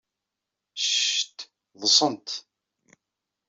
Cct! Ḍḍsent!